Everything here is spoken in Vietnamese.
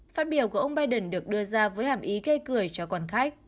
phát biểu của ông biden được đưa ra với hàm ý gây cười cho quan khách